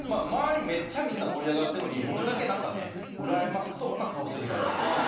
めっちゃみんな盛り上がってるのに僕だけなんかねうらやましそうな顔してる時ある。